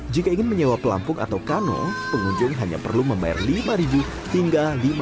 jika ingin menyewa pelampung atau kano pengunjung hanya perlu membayar lima hingga lima rupiah